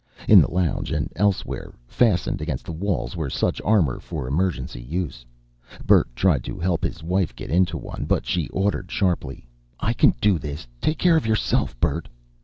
In the lounge and elsewhere, fastened against the walls, were such armor for emergency use. Bert tried to help his wife get into one. But she ordered sharply: "I can do this! Take care of yourself, Bert."